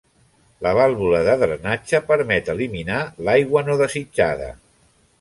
La vàlvula de drenatge permet eliminar l’aigua no desitjada.